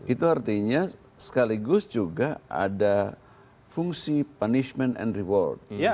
itu artinya sekaligus juga ada fungsi punishment and reward